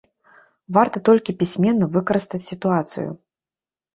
Варта толькі пісьменна выкарыстаць сітуацыю.